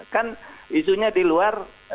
kan isunya di luar